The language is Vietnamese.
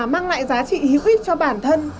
mang lại giá trị hữu ích cho bản thân